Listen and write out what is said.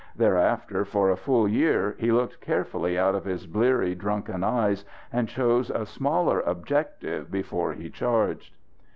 Thereafter for a full year, he looked carefully out of his bleary, drunken eyes and chose a smaller objective before he charged.